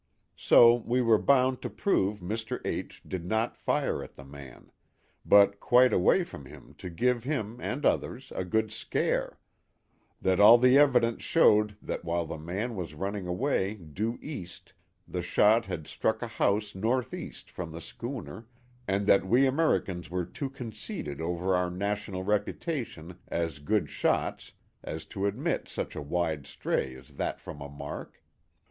THE HAT OF THE POSTMASTER. 155 So we were bound to prove Mr. H did not fire at the man ; but quite away from him to give him, and others, a good scare ; that all the evidence showed that while the man was running away due east the shot had struck a house northeast from the schooner, and that we Americans were too conceited over our national reputation as good shots as to admit such a wide stray as that from a mark.